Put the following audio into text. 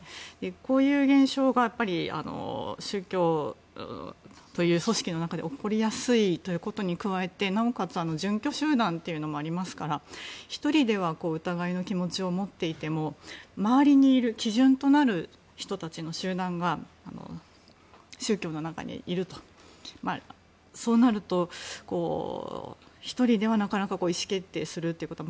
こういう現象が宗教という組織の中で起こりやすいということに加えて、なおかつ集団ですから１人ではお互いの気持ちを思っていても周りにいる基準となる人たちの集団が宗教の中にいるとそうなると、１人ではなかなか意思決定することが